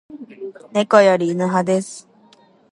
猫より犬派です